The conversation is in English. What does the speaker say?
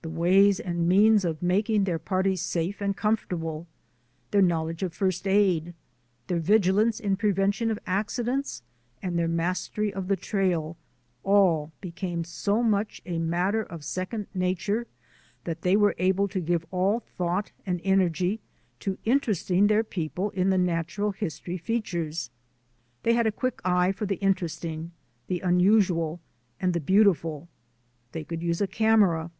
The ways and means of mak ing their parties safe and comfortable, their knowl edge of first aid, their vigilance in prevention of accidents, and their mastery of the trail, all became so much a matter of second nature that they were able to give all thought and energy to interesting their people in the natural history features. They had a quick eye for the interesting, the unusual, and the beautiful; they could use a camera.